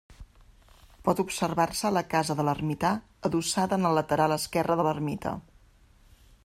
Pot observar-se la casa de l'ermità adossada en el lateral esquerre de l'ermita.